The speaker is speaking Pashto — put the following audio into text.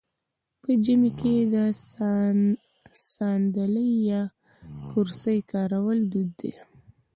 په ژمي کې د ساندلۍ یا کرسۍ کارول دود دی.